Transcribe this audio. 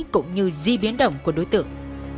cũng như di biến động của đối tượng